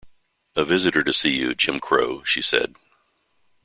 “A visitor to see you, Jim Crow,” she said.